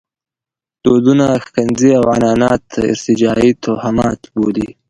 دودونه ښکنځي او عنعنات ارتجاعي توهمات بولي.